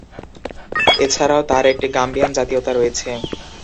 এছাড়াও তার একটি গাম্বিয়ান জাতীয়তা রয়েছে।